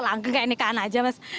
langgeng kayak ini kan aja mas